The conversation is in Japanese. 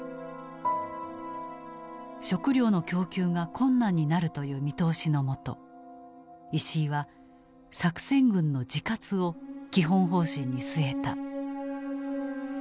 食糧の供給が困難になるという見通しのもと石井は「作戦軍の自活」を基本方針に据えた。